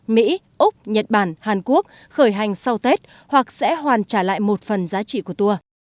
mỹ úc nhật bản hàn quốc khởi hành sau tết hoặc sẽ hoàn trả lại một phần giá trị của tour